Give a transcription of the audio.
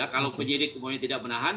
kalau penyidik kemudian tidak menahan